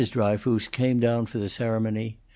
Dryfoos came down for the ceremony.